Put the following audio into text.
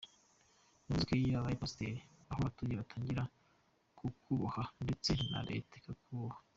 Yavuze ko iyo ubaye Pasiteri, aho utuye batangira kukubaha ndetse na Leta ikakubaha.